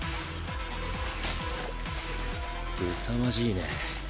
すさまじいね。